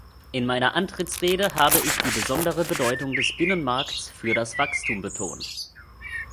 In meiner Antrittsrede habe ich die besondere Bedeutung des Binnenmarkts für das Wachstum betont.